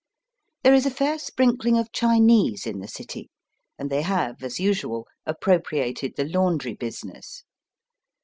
There is a fair sprinkling of Chinese in the city, and they have, as usual, appropriated the laundry business.